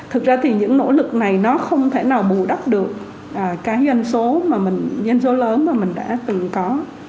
thực ra thì những nỗ lực này nó không thể nào bù đắp được cái doanh số lớn mà mình đã từng có